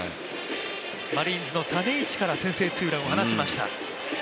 マリーンズの種市から先制ツーランを放ちました。